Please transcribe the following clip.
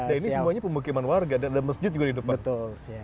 dan ini semuanya pemukiman warga dan ada masjid juga di depan